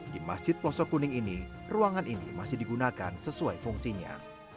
di masjid plosok kuning ini ruangan ini masih digunakan sesuai fungsinya